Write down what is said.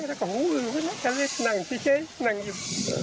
แล้วก็โหแทรสนั่งพี่เจ๊นั่งยิบ